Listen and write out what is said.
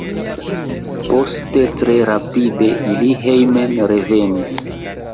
Poste tre rapide ili hejmen revenis.